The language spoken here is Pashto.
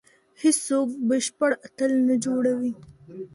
هیڅوک بشپړ اتل نه جوړوي.